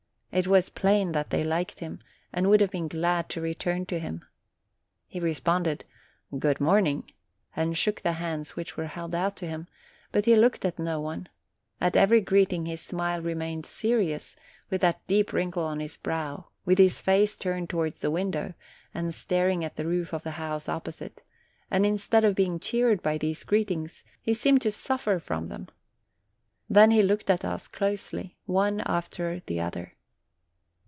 It was plain that they liked him, and would have been glad to return to him. He responded, "Good morning,'* and shook the hands which were held out to him, but he looked at no one; at every greeting his smile re mained serious, with that deep wrinkle on his brow, with his face turned towards the window, and staring at the roof of the house opposite; and instead of being cheered by these greetings, he seemed to suffer from them. Then he looked at us closely, one after the other.